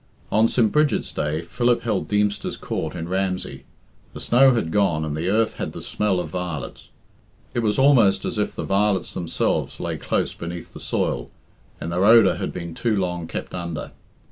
On St. Bridget's Day Philip held Deemster's Court in Ramsey. The snow had gone and the earth had the smell of violets. It was almost as if the violets themselves lay close beneath the soil, and their odour had been too long kept under.